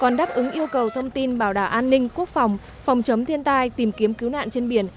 còn đáp ứng yêu cầu thông tin bảo đảm an ninh quốc phòng phòng chống thiên tai tìm kiếm cứu nạn trên biển